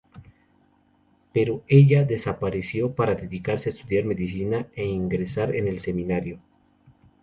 Pero ella desapareció para dedicarse a estudiar medicina e ingresar en el seminario.